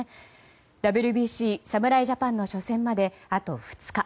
ＷＢＣ侍ジャパンの初戦まであと２日。